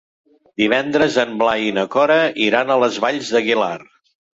Divendres en Blai i na Cora iran a les Valls d'Aguilar.